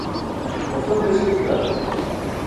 moosam beśki bila?